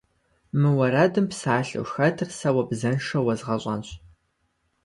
Мы уэрэдым псалъэу хэтыр сэ уэ бзэншэу уэзгъэщӏэнщ.